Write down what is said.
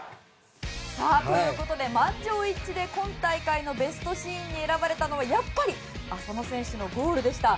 満場一致で今大会のベストシーンに選ばれたのはやっぱり浅野選手のゴールでした。